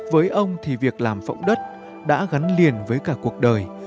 với ông thì việc làm phẫu đất đã gắn liền với cả cuộc đời